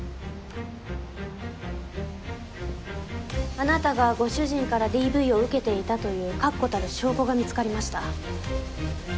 あなたがご主人からＤＶを受けていたという確固たる証拠が見つかりました。